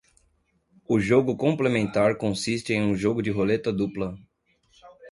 O jogo complementar consiste em um jogo de roleta dupla.